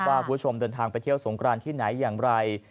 คุณผู้ชมเดินทางไปเที่ยวสงครานที่ไหนอย่างไร